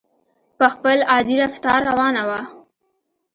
په خپل عادي رفتار روانه وه.